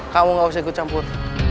kamu gak usah ikut campur